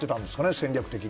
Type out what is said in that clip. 戦略的に。